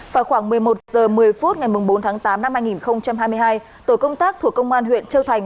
vào khoảng một mươi một h một mươi phút ngày bốn tháng tám năm hai nghìn hai mươi hai tổ công tác thuộc công an huyện châu thành